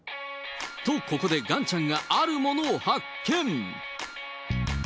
と、ここでガンちゃんがあるものを発見。